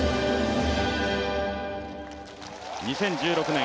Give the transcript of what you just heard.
２０１６年